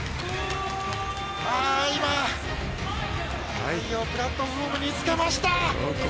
ああ、今、額をプラットフォームにつけました。